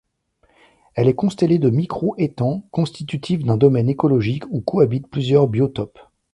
Elle est constellée de micro-étangs, constitutifs d'un domaine écologique où cohabitent plusieurs biotopes.